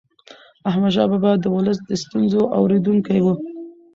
احمدشاه بابا د ولس د ستونزو اورېدونکی و.